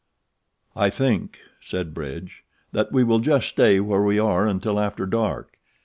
"I think," said Bridge, "that we will just stay where we are until after dark.